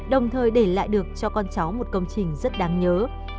đồng thời để lại được cho con cháu một công trình rất đáng nhớ